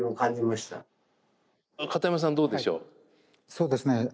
そうですね。